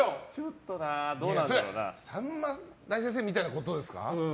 「さんま大先生」みたいなことですか。